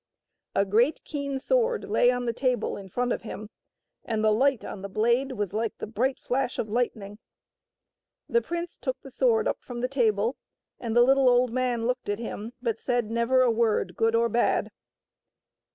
A great keen sword lay on the table in front of him, and the light on the blade was like the bright flash of lightning. The prince took the sword up from the table, and the Mittle old man looked at him, but said never a word, good or bad.